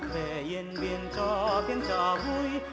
về yên biên cho tiếng chờ vui